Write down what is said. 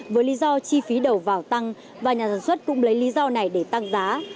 với lý do chi phí đầu vào tăng và nhà sản xuất cũng lấy lý do này để tăng giá